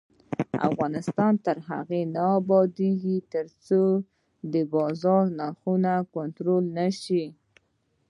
افغانستان تر هغو نه ابادیږي، ترڅو د بازار نرخونه کنټرول نشي.